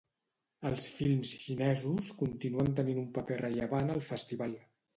Els films xinesos continuen tenint un paper rellevant al festival.